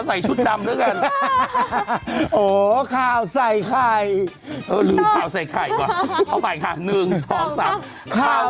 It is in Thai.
สวัสดีครับวาเลนทายช่วยกันครับสวัสดีครับขอใส่ชุดดำด้วยกัน